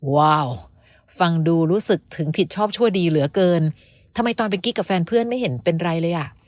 ว้าวฟังดูรู้สึกถึงผิดชอบชั่วดีเหลือเกินทำไมตอนเป็นกิ๊กกับแฟนเพื่อนไม่เห็นเป็นไรเลยอ่ะ